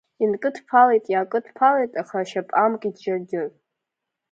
Инкыдԥалеит, иаакыдԥалеит, аха ашьап амкит џьаргьы.